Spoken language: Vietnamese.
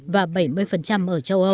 và bảy mươi ở châu âu